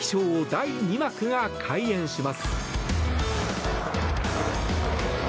第２幕が開演します。